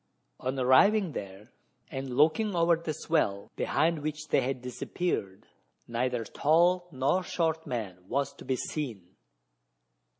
On arriving there, and looking over the swell, behind which they had disappeared, neither tall nor short man was to be seen.